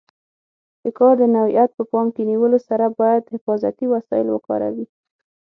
د کار د نوعیت په پام کې نیولو سره باید حفاظتي وسایل وکاروي.